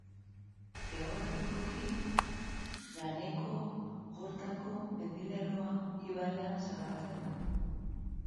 Geografikoki, Ganekogortako mendilerroa ibarrean zabaltzen da.